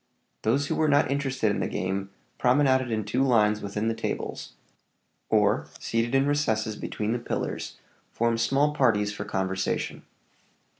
Those who were not interested in the game promenaded in two lines within the tables; or, seated in recesses between the pillars, formed small parties for conversation.